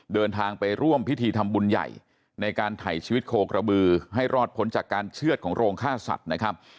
เดินทางไปร่วมพิธีทำบุญใหญ่ในการถ่ายชีวิตโคกระบือให้รอดพ้นจากการเชื่อดของโรงฆ่าสัตว์นะครับ